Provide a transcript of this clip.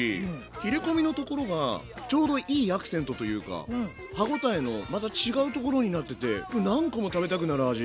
切れ込みのところがちょうどいいアクセントというか歯応えもまた違うところになってて何個も食べたくなる味。